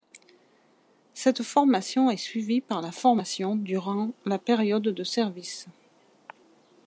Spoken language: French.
Cette formation est suivi par la formation durant la période de service.